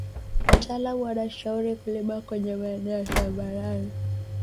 Wataalam wanashauri kulima kwenye maeneo ya tambarare